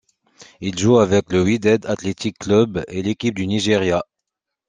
Il joue avec le Wydad Athletic Club et l'équipe du Nigeria.